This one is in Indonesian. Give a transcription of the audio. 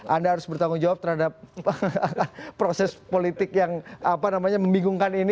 anda harus bertanggung jawab terhadap proses politik yang membingungkan ini